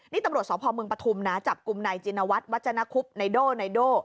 นี่ตำรวจสพเมืองปฐุมนะจับกลุ่มนายจินวัฒนวัฒนคุบไนโดไนโด่